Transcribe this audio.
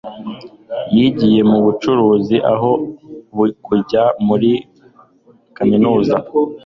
yinjiye mu bucuruzi aho kujya muri kaminuza